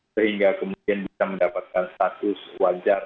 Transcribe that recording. sehingga kemudian bisa mendapatkan status wajar